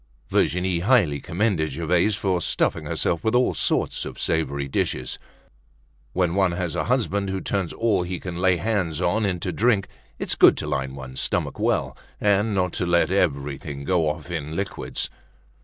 Virginie highly commended Gervaise for stuffing herself with all sorts of savory dishes. When one has a husband who turns all he can lay hands on into drink, it's good to line one's stomach well, and not to let everything go off in liquids.